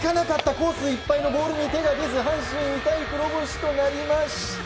コースいっぱいのボールに手が出ず阪神、痛い黒星となりました。